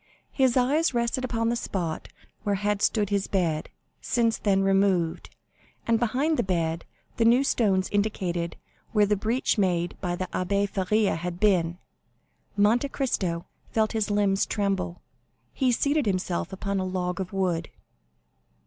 His eyes rested upon the spot where had stood his bed, since then removed, and behind the bed the new stones indicated where the breach made by the Abbé Faria had been. Monte Cristo felt his limbs tremble; he seated himself upon a log of wood.